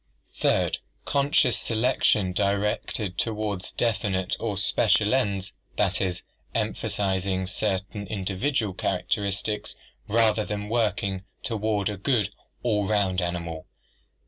Third, conscious selection directed toward definite or special ends, that is, emphasizing certain individual characteristics rather than working toward a good, all round animal.